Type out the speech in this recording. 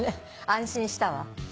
安心したわ。